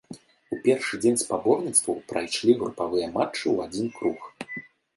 У першы дзень спаборніцтваў прайшлі групавыя матчы ў адзін круг.